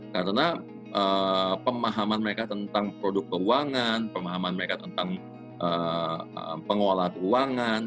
karena pemahaman mereka tentang produk keuangan pemahaman mereka tentang pengolahan keuangan